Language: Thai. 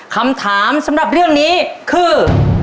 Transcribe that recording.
คำถามสำหรับเรื่องนี้คือ